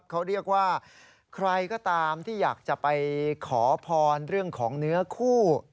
เขาเรียกว่าใครก็ตามที่อยากจะไปขอพรเรื่องของเนื้อคู่